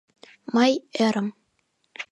Мый ӧрым: